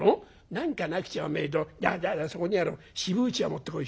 「何かなくちゃおめえああそこにある渋うちわ持ってこい。